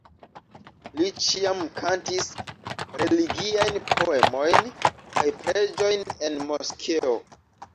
Li ĉiam kantis religiajn poemojn kaj preĝojn en moskeo.